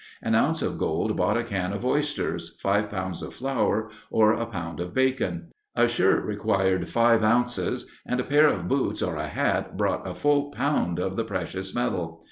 An ounce of gold bought a can of oysters, five pounds of flour, or a pound of bacon; a shirt required five ounces, and a pair of boots or a hat brought a full pound of the precious metal.